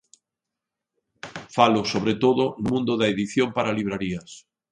Falo, sobre todo, no mundo da edición para librarías.